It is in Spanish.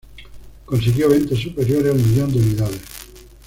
Consiguió ventas superiores al millón de unidades.